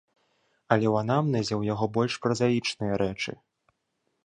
Але ў анамнезе ў яго больш празаічныя рэчы.